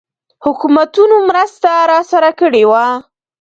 حکومتونو مرسته راسره کړې وه.